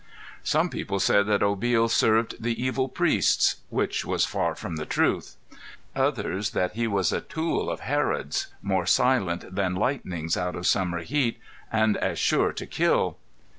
Some people said that Obil served the evil priests which was far from the truth; others, that he was a tool of Herod, more silent than lightnings out of summer heat, and as sure to kill.